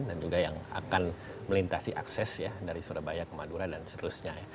dan juga yang akan melintasi akses dari surabaya ke madura dan seterusnya